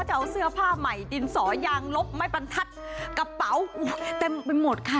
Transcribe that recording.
จะเอาเสื้อผ้าใหม่ดินสอยางลบไม้บรรทัดกระเป๋าเต็มไปหมดค่ะ